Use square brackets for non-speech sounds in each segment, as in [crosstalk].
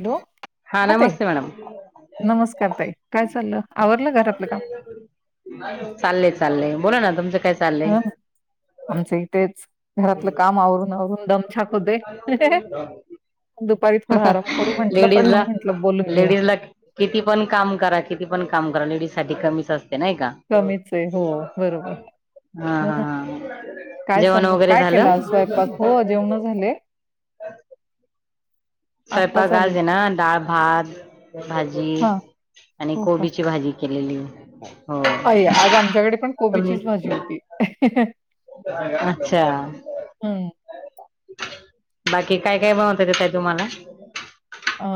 Hello हा नमस्ते madam नमस्कार ताई काय चाललं आवरलं घरातलं काम चाललय चाललंय बोला ना तुमचं काय चाललंय हा आमचं इथेच घरातलं काम आवरून आवरून दम छाक होते दुपारी थोडा आराम करू म्हटलं पण मग म्हंटलं बोलून घेऊ त किती पण काम करा किती पण काम करा लेडीज साठी कमीच असते नाही का कमीच आहे हो बरोबर हा हो हा ना हा काय जेवण चाललं वगैरे काय केलं झालं आ स्वयंपाक हो जेवण झाले अच आत्ता स्वयंपाक गाज चालू दे आहे ना डाळ भात भाजी हा आणि हो का कोबीची भाजी केलेली हो आई ह अच्छा हम्म बाकी काय काय बनवत येतं ताई तुम्हाला? अ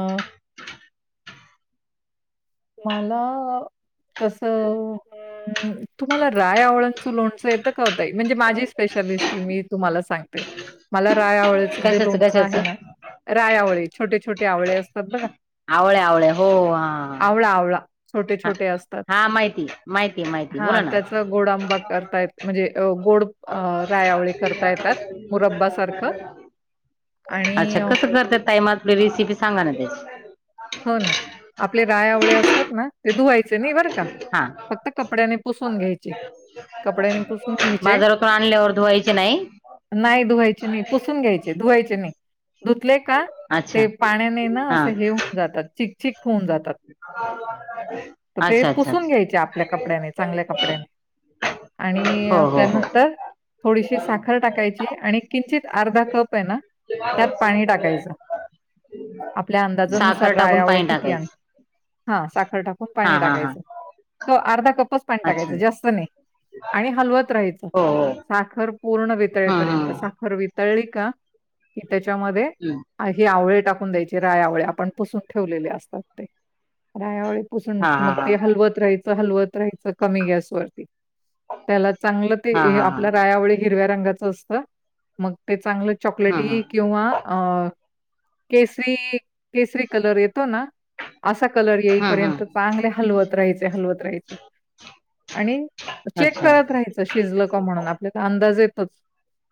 मला तस तुम्हाला रायआवळांचं लोणचं येतं का ओ ताई? म्हणजे माझी स्पेशालिस्टी मी तुम्हाला सांग मला राय आवळेच जे कशाच लोनचं कशाच आहे ना रायआवळी छोटे छोटे आवळे असतात बघा आवळ, आवळ हो आवळा, आवळा छोटे-छोटे असतात. हा माहिती, माहिती आहे माहिती बोला हां, ना त्याचा गोड आंबा करतायत म्हणजे गोड अ रायावळी करता येतात मुरब्ब सारखं अच्छा कसं करता ताई? आप रेसिपी सांगा ना त्याची हो ना आपले रायावळे असतात ना ते धुवायचे नाही बर का हा फक्त कपड्यानी पुसून घ्यायची बाजारातून आणल्यावर धुऊ नाही नाही धुवायचे नाही पुसून घ्यायचे धुवायचे नाही. धुतले का अच्छा ते पाण्याने ना हा असं हे होऊन जातात चिकचिक होऊन जातात. [unintelligible] तर ते अच्छा अच्छा पुसून अच्छा घ्यायचे आपल्या कपड्याने चांगल्या कपड्याने आणि हो हो हो त्यानंतर थोडीशी साखर टाकायची आणि किंचित अर्धा कप आहे ना त्यात पाणी टाकायचं आपल्या अंदाजानुसार साखर टाकून रायआवळे पाणी किती आहेत टाकायचं हा साखर टाकून हा पाणी हा हा टाकायचं. त अर्धा कपच पाणी अच्छा टाकायचं जास्त नाही आणि हलवत राहायचं हो हो साखर पूर्ण हम्म वितळेपर्यंत हम्म साखर वितळली का कि त्याच्यामध्ये हम्म ही आवळी टाकून द्यायची राय आवळे आपण पुसून ठेवलेले असतात ते राय आवळे पुसून हा हा मग ते हा हलवत राहायचं, हलवत राहायचं कमी गॅस वर त्याला चांगलं हा ते हा हा आपल्या हम्म रायावे हिरव्या रंगाचं असतं मग ते चांगलं चॉकलेटी हम्म किवा केसरी केसरी कलर येतो ना असा कलर हम्म येईपर्यंत हम्म चांगले हलवत राहायचे हलवत राहायचे आणि चेक अच्छा करत हम्म राहायचे शिजलं का म्हणून आपल्याला अंदाज येतोच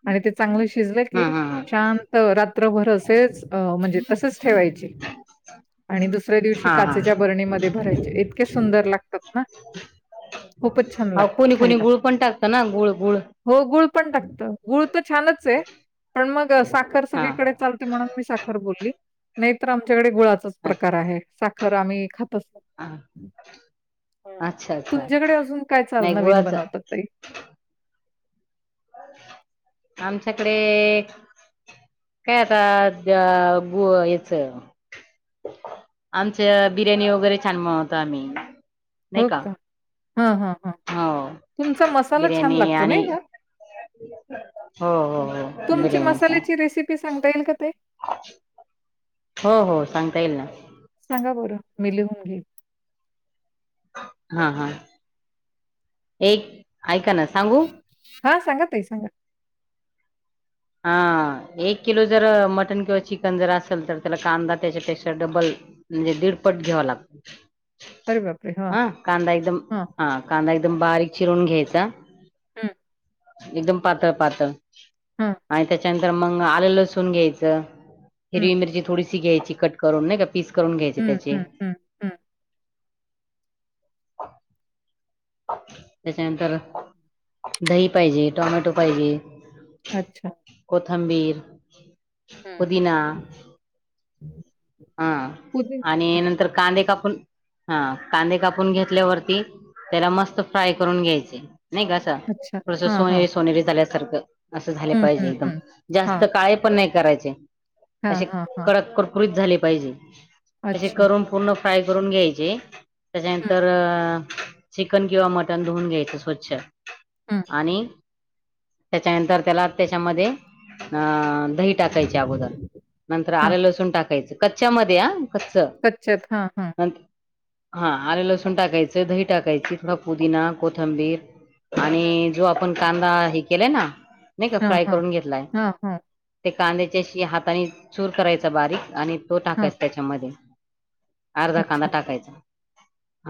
आणि ते चांगलं शिजलं की हम्म हम्म शांत त रात्रभर अस म्हणजे तसच ठेवायचे आणि दुसऱ्या दिवशी हा हा काचेच्या बरणीमध्ये भरायचे इतके सुंदर लागतात ना. खूपच छान अ लागतात कोणी कोणी खायला गुळ पण टाकत ना गुळ, गुळ हो गुळ पण टाकत गुळ तर छानच आहे पण मग साखर हा सगळीकडे चालते म्हणून मी साखर बोलली तर आमच्याकडे गुळाचाच प्रकार अच्छा आहे साखर आम्ही खातच नाही अच्छा अच्छा तुमच्याकडे अजून काय चाल नाही नवीन गुळाचं बनवतात ताई? आमच्याकडे काय आता त्याचं आमचं बिर्याणी वगैरे छान बनवतो आम्ही हो का हा हा हा हो तुमचा मसाला छान बिर्याणी लागतो आणि नाही का? हो हो हो तुमची बिर्याणीचा मसाल्याची रेसिपी सांगता येईल का ताई? हो हो सांगता येईल ना सांगा बोरं मी लिहून घेई हा हा एक ऐका ना सांगु हा सांगा तई सांगा हा एक किलो जर मटन किंवा चिकन जर असेल तर त्याला कांदा त्याच्यापेक्षा डबल म्हणजे दीडपट घ्यावा लागत अरे बापरे! हां, हा कांदा एकदम हां, हा कांदा एकदम बारीक चिरून घ्यायचा हुम् एकदम पातळ पातळ हां, आणि त्याच्यानंतर मग आलेलं लसून घ्यायचं हं. हिरवी मिरची थोडीशी घ्यायची कट करून नाही का पीस करून घ्यायची हं, त्याचे हं, हं, हं. त्याच्यानंतर दही पाहिजे टोमॅटो पाहिजे अच्छा. कोथंबीर पुदीना हम्म हा आणि नंतर कांदे कापून हा कांदे कापून घेतल्यावरती त्याला मस्त फ्राय करून घ्यायचे नाही गॅ अच्छा. थोड हां, हां. सोनेरी सोनेरी झाल्यासारखं असं झाले हं, पाहिजे हं, एकदम हं. हां. जास्त काळे पण नाही करायचे हां, असे हां, हां. कडक कड त झाली पाहिजे अस अच्छा. करून पूर्ण फ्राय करून घ्यायचे हं, त्याच्यानंतर चिकन किंवा मटण धुवून घ्यायचं स्वच्छ हं. आणि त्याच्यानंतर त्याला त्याच्यामध्ये अं दही टाकायच्या अगोदर नंतर हां. आलं लसूण टाकायचं कच्च्यामध्ये या कच्च कच्यात ह ह हा आले लसूण टाकायचं दही टाकायची थोडा पुदिना कोथंबीर हं. आणि जो आपण कांदा हे केलाय ना नाही का हां, फ्राय हां. करून घेतलाय हां, हां. ते कांद्याच्याशी हाताने चूर करायचा बारीक आणि तो हां. टाकायचा त्याच्यामध्ये अर्धा कांदा अच्छा. टाकायचा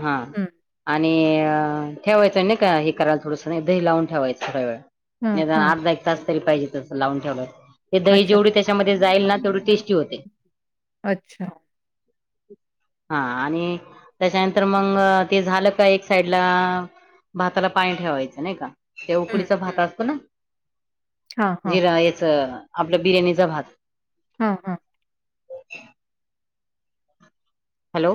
हा हं. आणि आणि ठेवायचं आहे ना का हे करायला थोडं नाही दही लावून ठेवायचं थोड्या वेळ हां, निदान हां. अर्धा एक तास तरी पाहिजे तसं लावून ठेवलं ते दही अच्छा. जेवढी हं. त्याच्यामध्ये जाईल ना तेवढी टेस्टी होते. अच्छा. ह हा आणि त्याच्यानंतर मग ते झालं का एक साइडला भाताला पाणी ठेवायचं नाही का ते हं, उकडीचा भात हं. असतो ना हां, हां. जिरा याच आपलं बिर्याणीचा भात हा हां हॅलो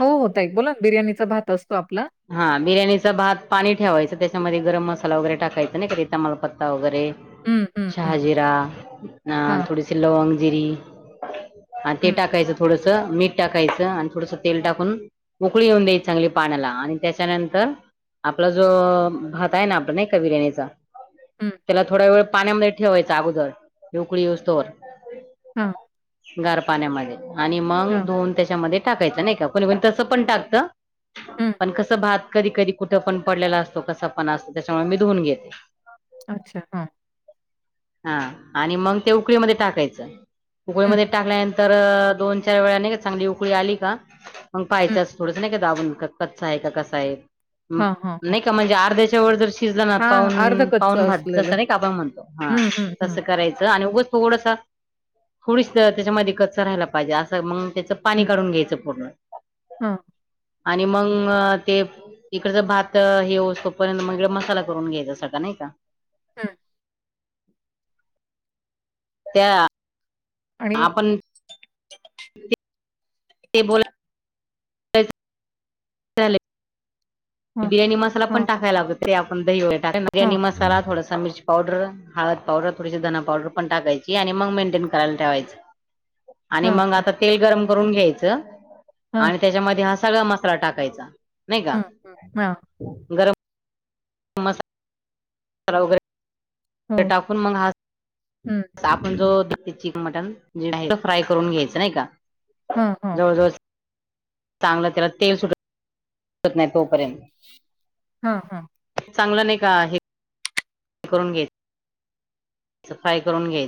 हो होत एक बोला ना बिर्याणीचा भात असतो आपला हा बिर्याणीचा भात पाणी ठेवायचं त्याच्यामध्ये गरम मसाला वगैरे टाकायचा नाही कधी तमालपत्ता वगैरे हं, हं, हं. शहाजीरा अ हां. थोडीशी लवंग जिरी आणि ते हं, टाकायचं थोडंस मीठ टाकायचं आणि थोडस तेल टाकून उकळी येऊन द्यायची चांगली पाण्याला आणि त्याच्यानंतर आपला जो भात आहे ना आपण कवी रेण्याचा हं. त्याला थोड्या वेळ पाण्यामध्ये ठेवायच अगोदर येवकळी स्तोवर हा गार पाण्यामध्ये आणि मग दधोन त्याच्यामध्ये टाकायचं नाही का कोणी को तसं पण टाकत हु़़ पण कसं भात कधी कधी कुठं पण पडलेला असतो कसा पण असतो त्याच्यामुळे मी धुवून घेते अच्छा हा हा आणि मग ते उकळीमध्ये टाकायचं हं, उकळीमध्ये टाकल्यानंतर तर दोन चार वेळा नाही का चांगली उकळी आली का मग हं. पाहायचंच थोडंसं नाही का दाबून कर कच् आहे का कसा आहे हां, हां, हां. नाही का म्हणजे अर्ध्याच्या व ज शिजला हां, अर्ध पाून पाून कच्चं भात असलेलं. का म्हणतो हा हं, हं, हं, तसं करायचं आणि थोडसा थोडीस त्याच्यामध्ये कच्च राहायला पाहिजे असं मग त्याचं पाणी काढून घ्यायचं पूर्ण हा आणि मग ते. इकडच भात हे तोपर्यंत मग इड मसाला करून घ्यायचा सगळं नाही का. हम. त्या आणि आपण. ते बो चालेल. हं, बिर्याणी मसाला पण हं, टाकाय लागतो ते आपण दही व टा बि्याणी हं. मसाला थोडासा मिर. पावडर हळद पावडर थोडीशी धना पावडर पण टाकायची आणि मग मेंटेन करायला ठेवायचं. आणि हं, मग हं, आता तेल गरम करून घ्यायचं. हं, आणि त्याच्यामध्ये हा सगळा मसाला टाकायचा नाही का. हा. गरमसा वगे हो. टाकून म ह. हं. आपण जो चिकन मटन जे आहे त फ्राय करून घ्यायच नाही का. हा हा. होऊ. चांगलं त्याला तेल सुट. नाही तोपर्यंत. हा हा. चांगलं नाही का आहे. ते करून घ्याय. सफाई करून घे.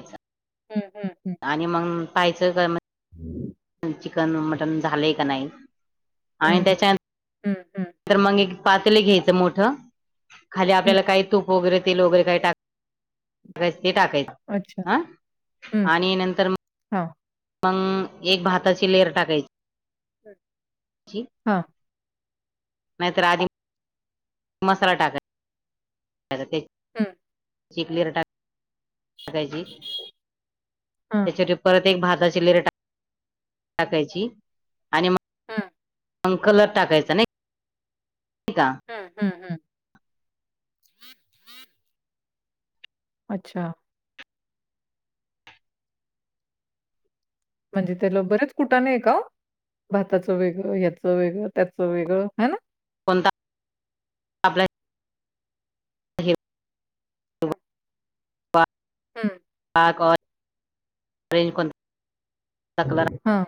हम् हम् हम. आणि मग पाहायचं का. हम्म. चिकन मटन झालेय का नाही आणि हं, त्याच्या. हं, हं, तर मंग एक, पातेल घ्यायचं मोठं. खाली हं. आपल्याला काही तूप वगैरे तेल वगैरे, काही टाक - रेसपी टाकाय आच्छा. आं. आणि नंतर म हां, मंग. एक भाताची, लेयर हं, टाकायची. हां, नाय तर आदीम मसाला टाकाय तर, ते. हम्म्. शिकर कायची त्याच्यावर परत एक भाताची लेरीा टाकायची आणि म हम अंकलर टाकायचं नाही ठी का हा हम हम. अच्छा. म्हणजे त्याला बरेच कुठाने आहे का. भाताचं वेगळं ह्याचं वेगळं त्याचं वेगळं है ना. कोणता आपला. हिरवा ह्. ह्म. हा को [unintelligible] कलर हा.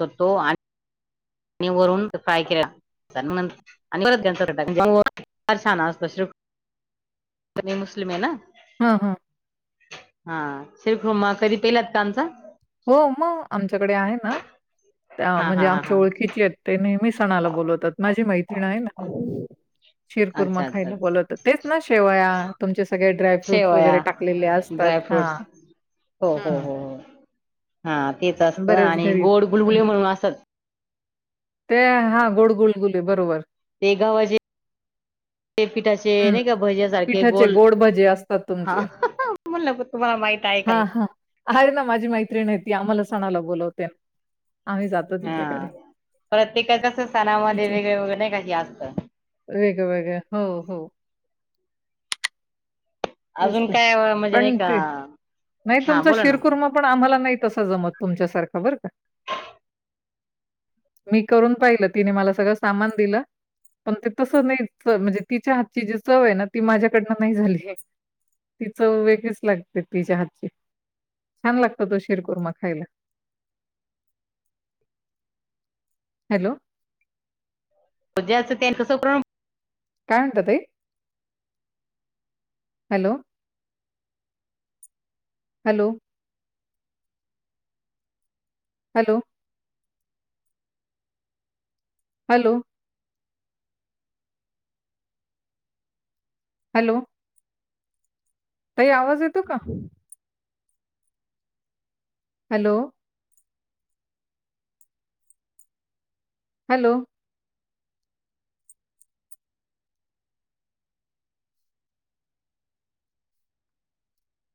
त, तो आण. नी वरुन, फ्राय केला. [unintelligible] तुम्ही मुस्लिमये ना? हा-हा. हा. शिरखुरमा कधी, पीलात का आमचा? ‌ हो मग आमच्याकडे आहे ना त्या हा म्हणजे हा हा आमच्या हा ओळखीचे आहेत ते नेहमी सणाला बोलवतात माझी मैत्रीिण ना शिरकुर्मा अच्छा अच्छा खायला अच्छा. बोलवतात तेच ना शेवया तुमचे सगळे ड्राय फ्रूट्स शेवया वगैरे टाकलेले असतात हा. ड्रायफ्रूट्स हो हो हो हो हा तेच असतं बरेच आणि घरी गोड हं. गुलबुले म्हणून असत ते हा गोड गुडगुले बरोबर ते गावाचे पीठाचे हं. नाही का भज्या सारखे पिठाचे गोल गोड भजे असतात हा तुमचे. म्हणलं प तुम्हाला माहित आहे काय अरे ना माझी मैत्री नाही ती आम्हाला सणाला बोलवते ना आम्ही जातो तिच्याकडे. हा प्रत्येकाच्या स्थानामध्ये वेगळे वगरे नाही का असत वेगवेगळे हो हो तेच अजून तर काय म्हणजे नाही पण का ते नाही हा तुमच बोला ना शिरकूर मग पण आम्हाला नाही तसं जमत तुमच्यासारखं बरं का ह मी करून पाहिलं तिने मला सगळं सामान दिलं पण ते तसं नाही च म्हणजे तिच्या हातची जी चव आहे ना ती माझ्याकडनं नाही झाली ती चव वेगळीच लागते तिच्या हातची छान लागत तो शिरकुर्मा खायला हॅलो सं काढत ते hello. Hello. Hello. Hello. Hello. ताई आवाज येतो का. हॅलो. हॅलो.